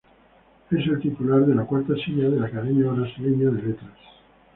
Es el titular de la cuarta silla de la Academia Brasileña de las Letras.